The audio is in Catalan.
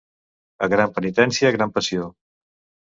A gran penitència, gran passió.